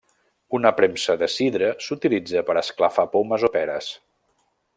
Una premsa de sidra s'utilitza per esclafar pomes o peres.